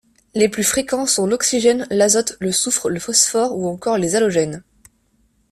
Les plus fréquents sont l'oxygène, l'azote, le soufre, le phosphore ou encore les halogènes.